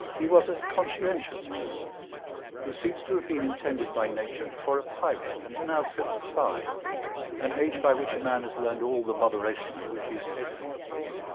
He was a conscientious person, who seems to have been intended by nature for a pirate, and now fifty five, an age by which a man has learned all the moderation of which he is capable.